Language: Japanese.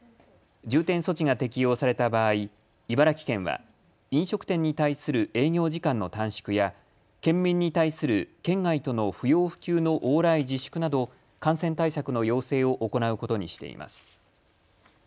重点措置が適用された場合、茨城県は飲食店に対する営業時間の短縮や県民に対する県外との不要不急の往来自粛など、感染対策の要請を行うことにしています。